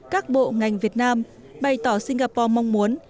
các bộ ngành việt nam bày tỏ singapore mong muốn